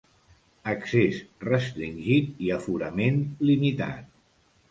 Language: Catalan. Accés restringit i aforament limitat.